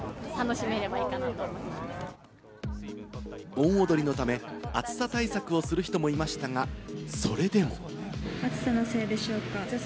盆踊りのため、暑さ対策をする人もいましたが、それでも。